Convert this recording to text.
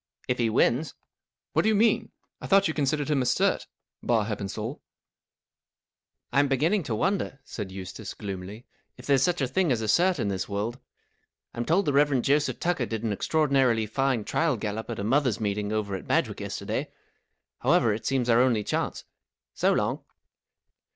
" If he wins." " What do you mean ? I thought you considered him a cert, bar Heppenstalt." (i I'm beginning to wonder," said Eustace, gloomily, " if there's such a thing as a cert, in this world. I'm told the Rev, Joseph Tucker did an extraordinarily fine trial gallop at a mothers' meeting over at Badg wick yesterday. However, it seems our only chance. So Iong."